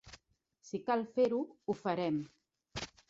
Si cal fer-ho, ho farem.